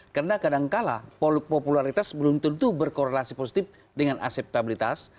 karena kadangkala popularitas belum tentu berkorelasi positif dengan aseptabilitas